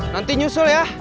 nanti nyusul ya